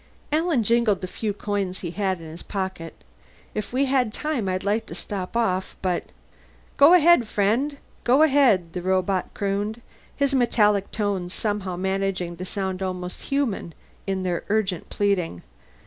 Alan jingled the few coins he had in his pocket. "If we had time I'd like to stop off. But " "Go ahead, friend, go ahead," the robot crooned, his metallic tones somehow managing to sound almost human in their urgent pleading.